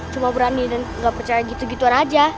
cuma berani dan nggak percaya gitu gituan aja